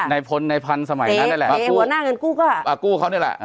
ในพลในพันธุ์สมัยนั้นนั่นแหละในหัวหน้าเงินกู้ก็อ่ากู้เขานี่แหละ